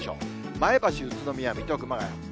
前橋、宇都宮、水戸、熊谷。